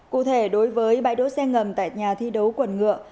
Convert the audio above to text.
cụ thể đối với bãi đỗ xe ngầm tại nhà thi đấu quần ngựa